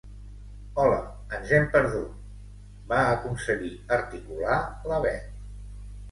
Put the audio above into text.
Hola, ens hem perdut —va aconseguir articular la Bet.